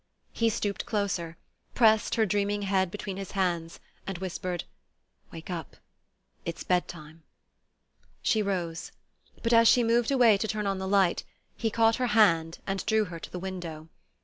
He stooped closer, pressed her dreaming head between his hands, and whispered: "Wake up; it's bedtime." She rose; but as she moved away to turn on the light he caught her hand and drew her to the window.